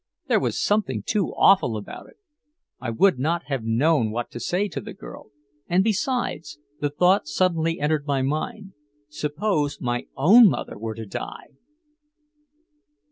There was something too awful about it. I would not have known what to say to the girl. And, besides, the thought suddenly entered my mind suppose my own mother were to die!